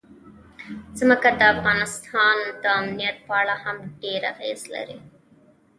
ځمکه د افغانستان د امنیت په اړه هم ډېر اغېز لري.